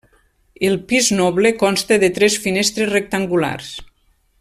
El pis noble consta de tres finestres rectangulars.